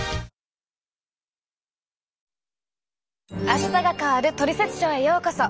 「あしたが変わるトリセツショー」へようこそ。